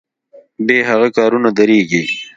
بې هغه کارونه دریږي.